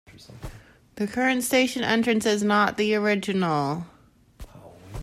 The current station entrance is not the original.